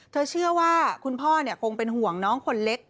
เชื่อว่าคุณพ่อคงเป็นห่วงน้องคนเล็ก